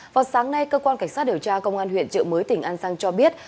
vào sáng nay cơ quan cảnh sát điều tra công an huyện trợ mới tỉnh an giang cho biết